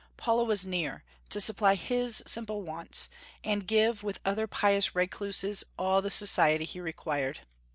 Paula was near, to supply his simple wants, and give, with other pious recluses, all the society he required.